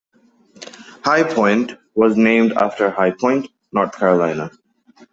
"High Point" was named after High Point, North Carolina.